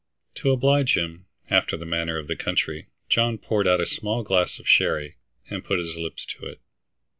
To oblige him, after the manner of the country, John poured out a small glass of sherry, and put his lips to it.